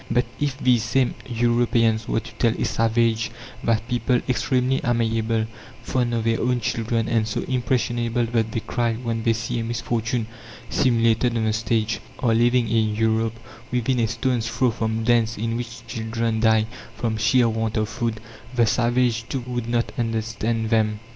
But if these same Europeans were to tell a savage that people, extremely amiable, fond of their own children, and so impressionable that they cry when they see a misfortune simulated on the stage, are living in Europe within a stone's throw from dens in which children die from sheer want of food, the savage, too, would not understand them.